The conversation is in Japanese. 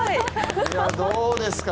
どうですか？